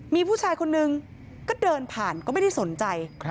มีผู้ชายคนนึงก็เดินผ่านก็ไม่ได้สนใจ